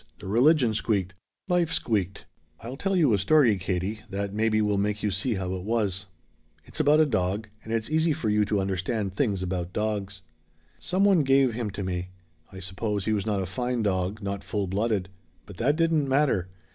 The religion squeaked. Life squeaked. "I'll tell you a story, Katie, that maybe will make you see how it was. It's about a dog, and it's easy for you to understand things about dogs. "Some one gave him to me. I suppose he was not a fine dog not full blooded. But that didn't matter.